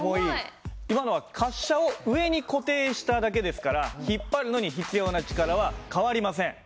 今のは滑車を上に固定しただけですから引っ張るのに必要な力は変わりません。